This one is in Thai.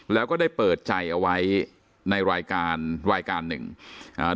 แล้วก็ได้เปิดใจเอาไว้ในรายการรายการหนึ่งอ่า